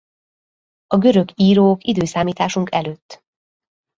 A görög írók i.e.